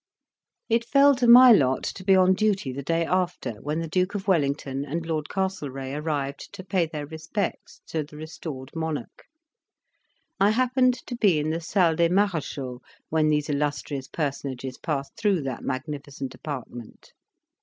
It fell to my lot to be on duty the day after, when the Duke of Wellington and Lord Castlereagh arrived to pay their respects to the restored monarch. I happened to be in the Salle des Marechaux when these illustrious personages passed through that magnificent apartment.